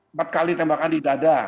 empat kali tembakan di dada